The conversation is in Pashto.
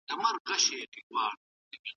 ړوند ډاکټر په ګڼ ځای کي اوږده کیسه وکړه.